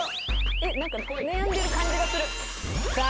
えっなんか悩んでる感じがするさあ